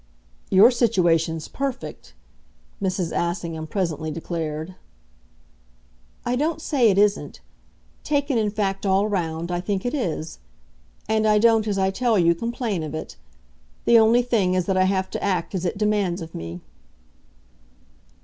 "Your situation's perfect," Mrs. Assingham presently declared. "I don't say it isn't. Taken, in fact, all round, I think it is. And I don't, as I tell you, complain of it. The only thing is that I have to act as it demands of me."